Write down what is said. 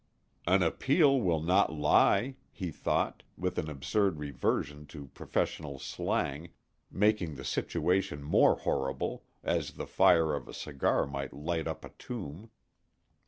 "An appeal will not lie," he thought, with an absurd reversion to professional slang, making the situation more horrible, as the fire of a cigar might light up a tomb.